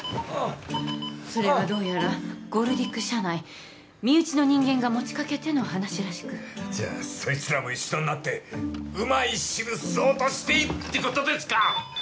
それがどうやらゴルディック社内身内の人間が持ちかけての話らしくじゃあそいつらも一緒になってうまい汁吸おうとしているってことですか？